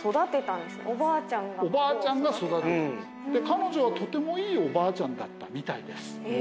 彼女はとてもいいおばあちゃんだったみたいです。